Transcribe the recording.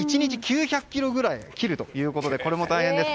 １日９００ｋｇくらい切るということでこれも大変です。